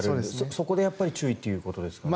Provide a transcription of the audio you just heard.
そこで注意ということですかね。